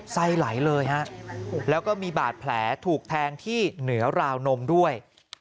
ไส้ไหลเลยฮะแล้วก็มีบาดแผลถูกแทงที่เหนือราวนมด้วย